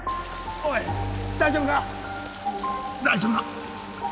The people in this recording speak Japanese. おい大丈夫か⁉大丈夫か？